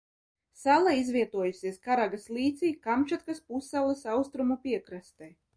Sala izvietojusies Karagas līcī Kamčatkas pussalas austrumu piekrastē.